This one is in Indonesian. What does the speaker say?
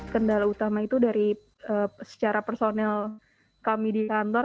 kendala utama itu dari secara personel kami di kantor